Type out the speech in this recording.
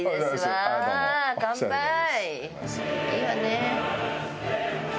いいわね。